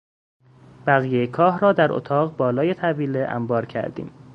بقیهی کاه را در اطاق بالای طویله انبار کردیم.